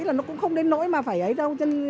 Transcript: là nó cũng không đến nỗi mà phải ấy đâu